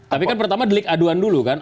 tapi kan pertama delik aduan dulu kan